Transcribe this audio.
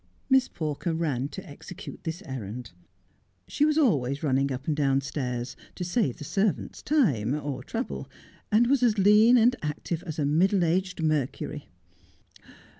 Miss Pawker ran to execute this errand. She was always 72 Just as I Am. running up and downstairs to save the servants time oi' trouble, and was as lean and active as a middle aged Mercury.